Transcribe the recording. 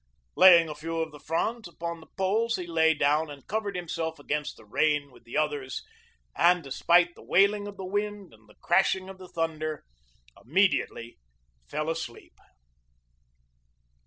Laying a few of the fronds upon the poles he lay down and covered himself against the rain with the others, and despite the wailing of the wind and the crashing of the thunder, immediately fell asleep.